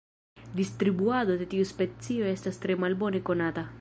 Distribuado de tiu specio estas tre malbone konata.